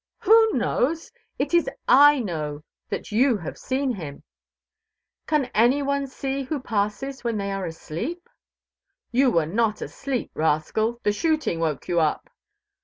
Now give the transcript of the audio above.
"Who knows? It is I know that you have seen him." "Can any one see who passes when they are asleep?" "You were not asleep, rascal; the shooting woke you up."